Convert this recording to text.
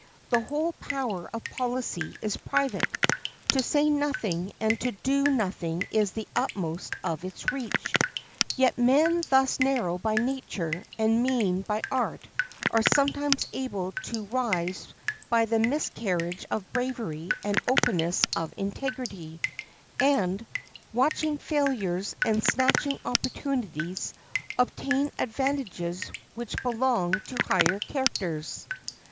The whole power of policy is private; to say nothing and to do nothing is the utmost of its reach. Yet men thus narrow by nature and mean by art are sometimes able to rise by the miscarriage of bravery and openness of integrity, and, watching failures and snatching opportunities, obtain advantages which belong to higher characters.